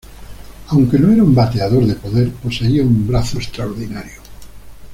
Aunque no era un bateador de poder, poseía un brazo extraordinario.